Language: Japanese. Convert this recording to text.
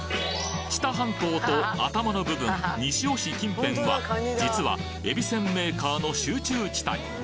知多半島と頭の部分西尾市近辺は実はえびせんメーカーの集中地帯